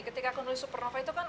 ketika aku menulis supernova itu kan